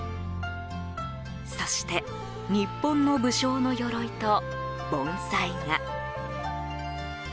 そして日本の武将のよろいと盆栽が。